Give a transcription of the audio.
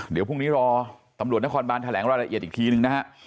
เดี๋ยวพรุ่งนี้รอตำรวจนครบานแถลงรายละเอียดอีกทีนึงนะฮะ